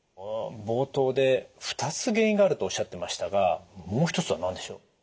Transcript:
冒頭で２つ原因があるとおっしゃってましたがもう一つは何でしょう？